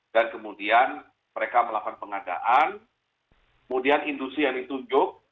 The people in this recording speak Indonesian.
dan kemudian mereka melakukan pengadaan kemudian industri yang ditunjuk